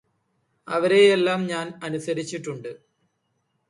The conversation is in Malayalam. അവരെയല്ലം ഞാന് അനുസരിചിട്ടുണ്ട്